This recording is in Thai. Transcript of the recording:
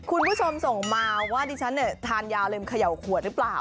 คุณผู้ชมส่งมาว่าดิฉันทานยาเลมเขย่าขวดหรือเปล่า